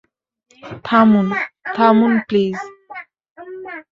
থামুন, থামুন প্লিজ।